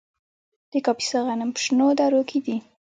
د کاپیسا غنم په شنو درو کې دي.